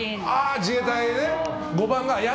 自衛隊のね。